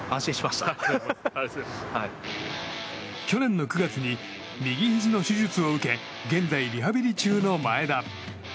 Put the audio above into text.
去年の９月に右肘の手術を受け現在、リハビリ中の前田。